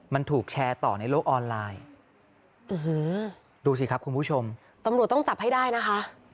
มันถูกแชร์ต่อในโลกออนไลน์ดูสิครับคุณผู้ชมตำรวจต้องจับให้ได้นะคะ